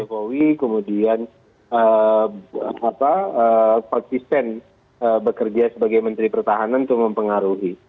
jokowi kemudian pak kisten bekerja sebagai menteri pertahanan itu mempengaruhi